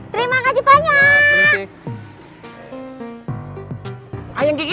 terima kasih banyak